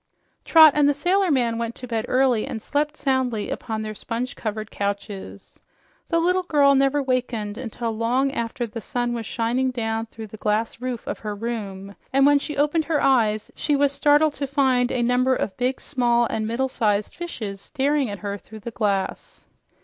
Trot and the sailor man went to bed early and slept soundly upon their sponge covered couches. The little girl never wakened until long after the sun was shining down through the glass roof of her room, and when she opened her eyes she was startled to find a number of big, small and middle sized fishes staring at her through the glass.